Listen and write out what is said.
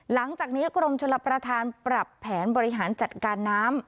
หลังจากนี้กรมชลประธานปรับแผนบริหารจัดการน้ำ